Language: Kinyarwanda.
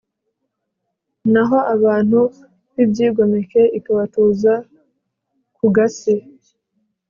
naho abantu b'ibyigomeke ikabatuza ku gasi